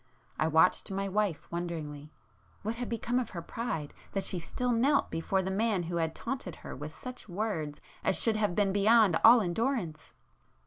I watched my wife wonderingly—what had become of her pride that she still knelt before the man who had taunted her with such words as should have been beyond all endurance?